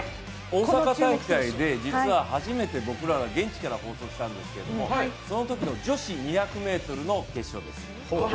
大阪大会で僕ら初めて現地から放送したんですがそのときの女子２００ｍの決勝です。